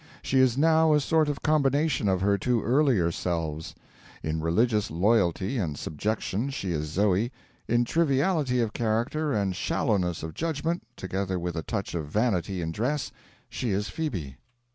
She is now a sort of combination of her two earlier selves: in religious loyalty and subjection she is Zoe: in triviality of character and shallowness of judgement together with a touch of vanity in dress she is Phoebe.